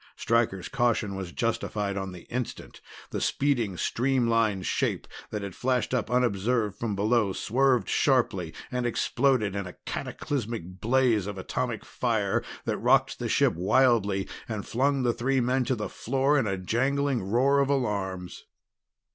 Stryker's caution was justified on the instant. The speeding streamlined shape that had flashed up unobserved from below swerved sharply and exploded in a cataclysmic blaze of atomic fire that rocked the ship wildly and flung the three men to the floor in a jangling roar of alarms.